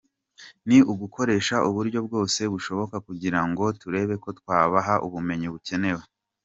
Ni ugukoresha uburyo bwose bushoboka kugira ngo turebe ko twabaha ubumenyi bukenewe.